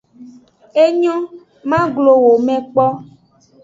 Enyo, ma glo wo me kpo.